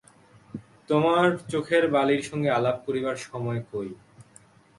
তোমার চোখের বালির সঙ্গে আলাপ করিবার সময় কই।